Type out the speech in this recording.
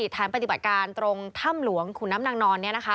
ฐานปฏิบัติการตรงถ้ำหลวงขุนน้ำนางนอน